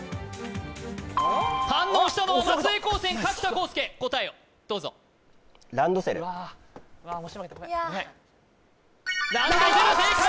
反応したのは松江高専柿田浩佑答えをどうぞランドセルランドセル正解！